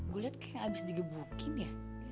gue liat kayak abis digebukin ya